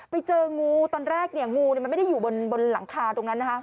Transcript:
ไปเจองูตอนแรกเนี่ยงูมันไม่ได้อยู่บนหลังคาตรงนั้นนะคะ